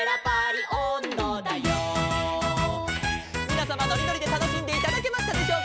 「みなさまのりのりでたのしんでいただけましたでしょうか」